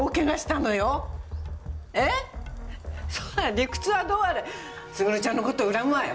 理屈はどうあれ卓ちゃんの事恨むわよ！